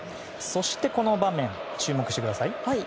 そして、この場面注目してください。